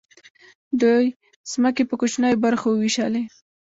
دوی ځمکې په کوچنیو برخو وویشلې.